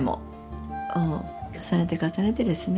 重ねて重ねてですね